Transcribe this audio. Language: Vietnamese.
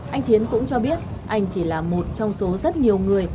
anh chiến cũng cho biết anh chỉ là một trong số rất nhiều người